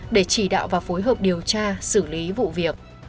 để chỉ đạo và phối hợp điều tra xử lý vụ việc